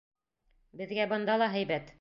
Беҙгә бында ла һәйбәт.